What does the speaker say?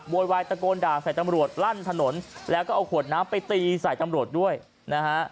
โวยวายตะโกนด่าใส่ตำรวจลั่นถนนแล้วก็เอาขวดน้ำไปตีใส่ตำรวจด้วยนะฮะ